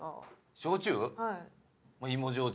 焼酎？